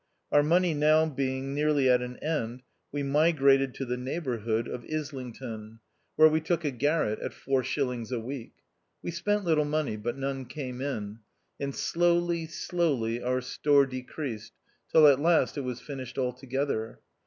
Our money being now nearly at an end, we migrated to the neighbourhood of 1 88 THE OUTCAST. Islington, where we took a garret at four shillings a week. We spent little money, but none came in ; and, slowly, slowly our store decreased, till at last it was finished altogether.